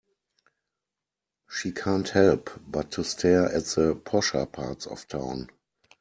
She can't help but to stare at the posher parts of town.